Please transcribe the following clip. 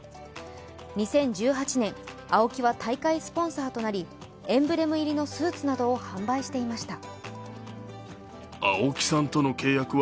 ２０１８年、ＡＯＫＩは大会スポンサーとなりエンブレム入りのスーツなどを販売していました。